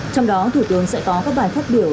trong đó thủ tướng sẽ có các bài phát biểu